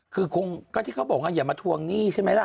คือคงก็ที่เขาบอกว่าอย่ามาทวงหนี้ใช่ไหมล่ะ